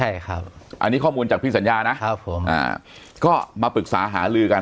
ใช่ครับอันนี้ข้อมูลจากพี่สัญญานะครับผมอ่าก็มาปรึกษาหาลือกัน